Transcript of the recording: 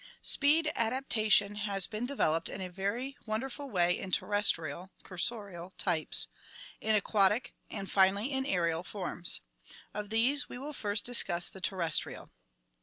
Speed adaptation has been developed in a very wonderful way in terrestrial (cursorial) types, in aquatic, and finally in aerial forms. Of these we will first discuss the terrestrial.